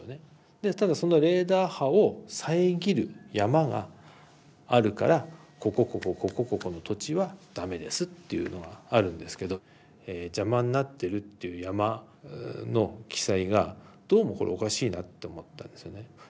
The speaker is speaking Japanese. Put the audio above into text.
でただそのレーダー波を遮る山があるからここここここここの土地は駄目ですっていうのがあるんですけど邪魔になってるっていう山の記載がどうもこれおかしいなって思ったんですよね。